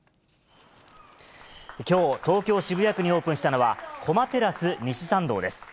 きょう、東京・渋谷区にオープンしたのは、駒テラス西参道です。